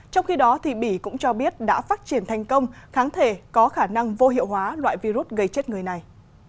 trong khi đó bỉ cũng cho biết đã phát triển thành công kháng thể có khả năng vô hiệu hóa loại virus gây chết người này